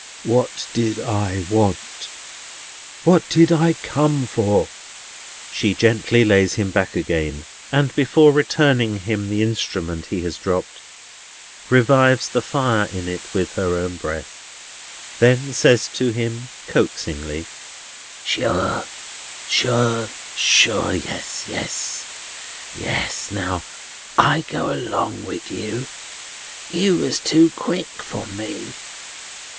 What did I want? What did I come for?" She gently lays him back again, and before returning him the instrument he has dropped, revives the fire in it with her own breath; then says to him, coaxingly: "Sure, sure, sure! Yes, yes, yes! Now I go along with you. You was too quick for me.